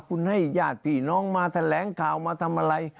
คุณให้ญาติพี่น้องมาแถวเป็นแหลงกล่าวมาทำอะไร